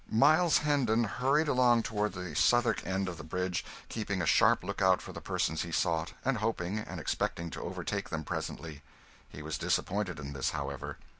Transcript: Miles Hendon hurried along toward the Southwark end of the bridge, keeping a sharp look out for the persons he sought, and hoping and expecting to overtake them presently. He was disappointed in this, however.